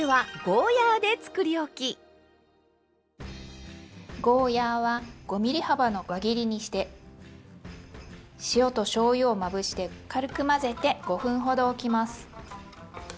ゴーヤーは５ｍｍ幅の輪切りにして塩としょうゆをまぶして軽く混ぜて５分ほどおきます。